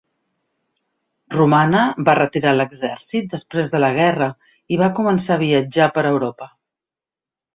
Romana va retirar l'exèrcit després de la guerra i va començar a viatjar per Europa.